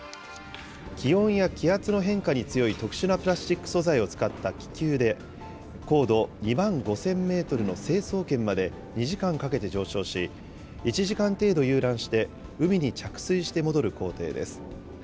気温や気圧の変化に強い特殊なプラスチック素材を使った気球で、高度２万５０００メートルの成層圏まで２時間かけて上昇し、１時間程度遊覧して、海に着水して戻る行程です。